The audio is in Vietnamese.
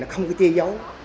không có chia dấu